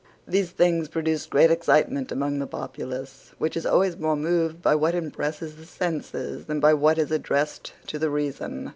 These things produced great excitement among the populace, which is always more moved by what impresses the senses than by what is addressed to the reason.